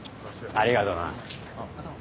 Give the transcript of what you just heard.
ありがとな。